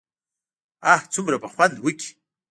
اه څومره به خوند وکړي.